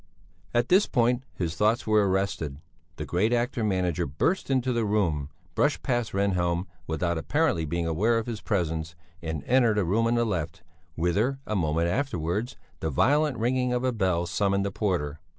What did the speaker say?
At this point his thoughts were arrested; the great actor manager burst into the room, brushed past Rehnhjelm without apparently being aware of his presence and entered a room on the left, whither, a moment afterwards, the violent ringing of a bell summoned the porter.